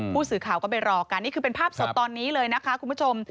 ผู้สื่อข่าวก็ไปรอกันนี่คือเป็นภาพสดตอนนี้เลยนะคะคุณผู้ชม